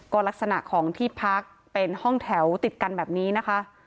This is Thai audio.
ก็ลักษณะของที่พักเป็นห้องแถวติดกันแบบนี้นะคะ